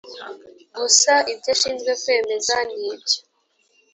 gusa ibyo ashinzwe kwemeza n ibyo